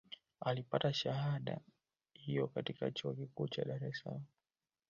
Alipata shahada hiyo katika Chuo Kikuu cha Dare es Salaam